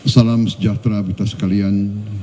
salam sejahtera buta sekalian